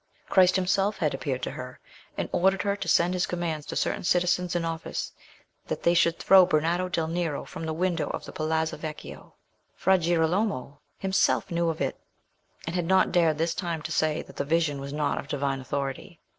Christ himself had appeared to her and ordered her to send his commands to certain citizens in office that they should throw Bernardo del Nero from the window of the Palazzo Vecchio. Fra Girolamo himself knew of it, and had not dared this time to say that the vision was not of Divine authority.